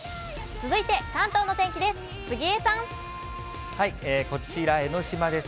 続いて関東の天気です。